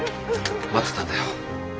待ってたんだよ。